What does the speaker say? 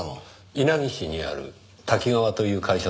稲城市にあるタキガワという会社ですね？